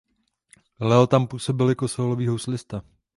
Leo tam působil jako sólový houslista.